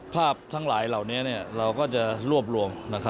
ทั้งหลายเหล่านี้เราก็จะรวบรวม